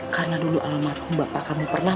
karena dulu alamatku bapak kamu pernah